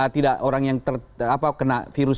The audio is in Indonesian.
tidak orang yang terkena virus